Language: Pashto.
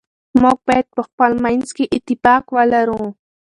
موږ باید په خپل منځ کي اتفاق ولرو.